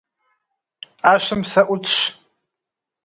Ӏэщым псэ ӏутщ.